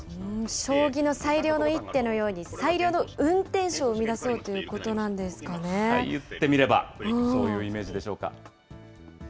将棋の最良の一手のように、最良の運転手を生み出そうという言ってみれば、そういうイメージでしょうか。